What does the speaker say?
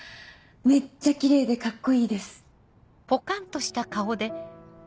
めっちゃキレイでカッコいいです。